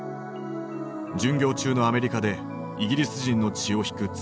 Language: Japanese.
巡業中のアメリカでイギリス人の血を引く妻